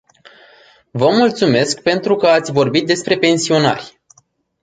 Vă mulțumesc pentru că ați vorbit despre pensionari.